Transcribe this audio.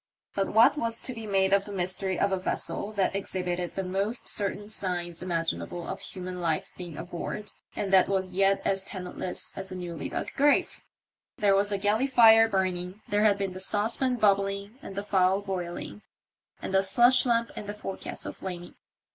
But what was to be made of the mystery of a vessel that exhibited the most certain signs imaginable of human life being aboard, and that was yet as tenantless as a newly dug grave ? There was the galley fire burning, there had been the saucepan bubbling and the fowl boiling, and the slush lamp in the forecastle flaming.